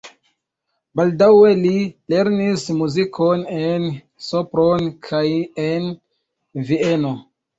Baldaŭe li lernis muzikon en Sopron kaj en Vieno.